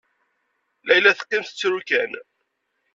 Layla teqqim tettru kan.